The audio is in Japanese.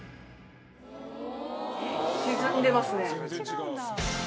沈んでますね。